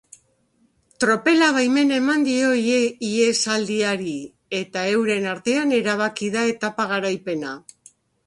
Tropelak baimena eman dio ihesaldiari eta euren artean erabaki da etapa garaipena.